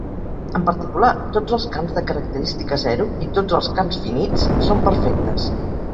En particular, tots els camps de característica zero i tots els camps finits són perfectes.